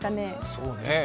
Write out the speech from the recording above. そうね。